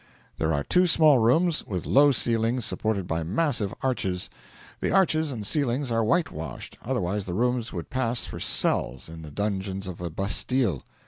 There are two small rooms, with low ceilings supported by massive arches; the arches and ceilings are whitewashed, otherwise the rooms would pass for cells in the dungeons of a bastile.